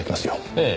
ええ。